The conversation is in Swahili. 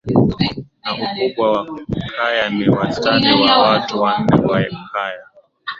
na ukubwa wa Kaya ni wastani wa watu wanne kwa Kaya